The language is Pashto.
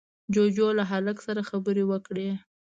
جُوجُو له هلک سره خبرې وکړې.